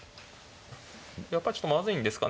やっぱりちょっとまずいんですかねまだ。